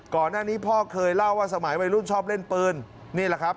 ก่อนหน้านี้พ่อเคยเล่าว่าสมัยวัยรุ่นชอบเล่นปืนนี่แหละครับ